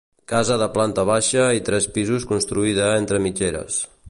Casa de planta baixa i tres pisos construïda entre mitgeres.